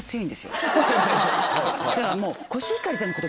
だからもう。